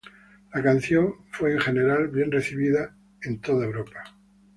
La canción fue en general bien recibido en toda Europa.